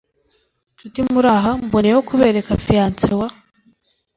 nshuti muraha mboneyeho kubereka fiyanse wa